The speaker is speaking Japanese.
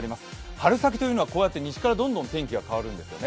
春先というのはこうやって西からどんどん天気が変わるんですよね。